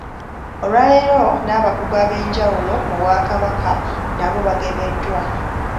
Olwaleero n’abakungu ab’enjawulo mu Bwakabaka nabo bagemeddwa.